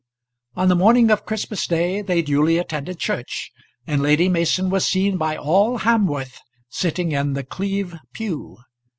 On the morning of Christmas day they duly attended church, and Lady Mason was seen by all Hamworth sitting in The Cleeve pew.